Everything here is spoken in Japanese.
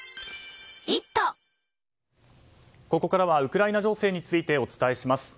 ここからはウクライナ情勢についてお伝えします。